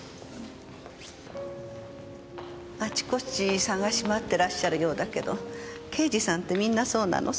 あちこち捜し回ってらっしゃるようだけど刑事さんてみんなそうなの？